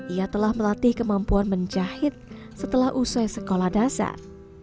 ia telah melatih kemampuan menjahit setelah usai sekolah dasar